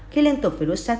khi liên tục virus sars